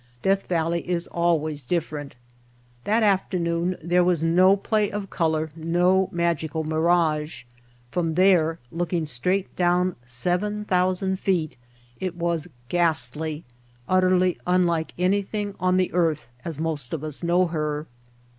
Death Valley is always different. That afternoon there was no play of color, no magical mirage. From there, looking straight down seven thousand feet, it was ghastly, utterly unlike anything on the earth [.6.] White Heart of Mojave as most of us know her.